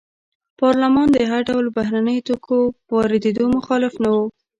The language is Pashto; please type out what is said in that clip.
پارلمان د هر ډول بهرنیو توکو واردېدو مخالف نه و.